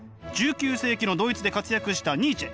１９世紀のドイツで活躍したニーチェ。